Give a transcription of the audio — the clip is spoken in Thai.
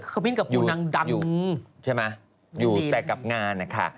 ควิ้นกับผู้นางดังอยู่ใช่ไหมอยู่แต่กับงานนะคะ